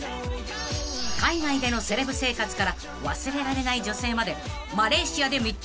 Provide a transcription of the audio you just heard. ［海外でのセレブ生活から忘れられない女性までマレーシアで密着！